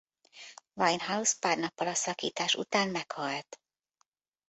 Winehouse pár nappal a szakítás után meghalt.